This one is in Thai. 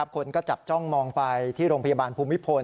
คนก็จับจ้องมองไปที่โรงพยาบาลภูมิพล